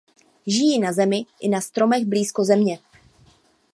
Žijí na zemi i na stromech blízko země.